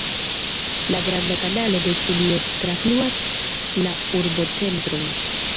La Granda Kanalo de Ĉinio trafluas la urbocentron.